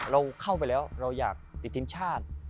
เราเข้าไปแล้วเราอยากติดทีมชาติ